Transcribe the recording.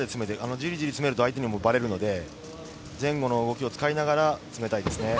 ジリジリ詰めると相手にバレるので前後の動きを使いながら冷たいですね。